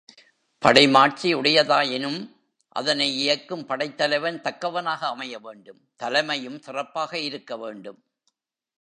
படைமாட்சி உடையதாயினும் அதனை இயக்கும் படைத் தலைவன் தக்கவனாக அமைய வேண்டும் தலைமையும் சிறப்பாக இருக்க வேண்டும்.